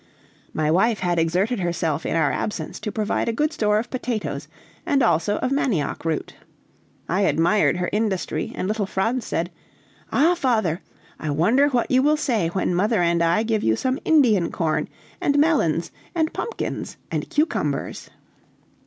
My wife had exerted herself in our absence to provide a good store of potatoes, and also of manioc root. I admired her industry, and little Franz said, "Ah, father! I wonder what you will say when mother and I give you some Indian corn, and melons, and pumpkins, and cucumbers!"